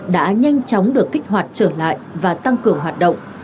đã nhanh chóng được kích hoạt trở lại và tăng cường hoạt động